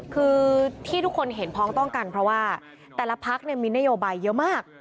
คือที่ทุกคนเห็นพ้องต้องกันเพราะว่าแต่ละพักมีนโยบายเยอะมาก